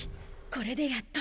これでやっと。